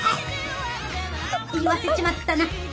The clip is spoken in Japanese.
言わせちまったな。